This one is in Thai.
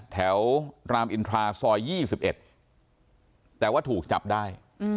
แถวรามอินทราซอย๒๑แต่ว่าถูกจับได้